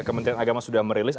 kementerian agama sudah merilis